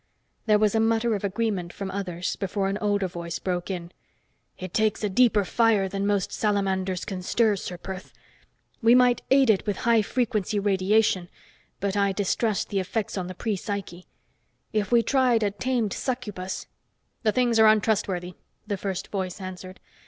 There was a mutter of agreement from others, before an older voice broke in. "It takes a deeper fire than most salamanders can stir, Ser Perth. We might aid it with high frequency radiation, but I distrust the effects on the prepsyche. If we tried a tamed succubus " "The things are untrustworthy," the first voice answered.